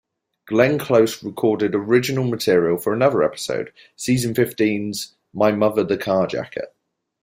Glenn Close recorded original material for another episode, season fifteen's "My Mother the Carjacker".